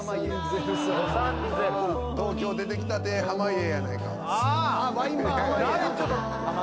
東京出てきたて濱家やないか。